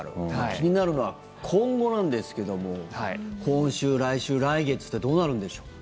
気になるのは今後なんですけども今週、来週、来月ってどうなるんでしょう？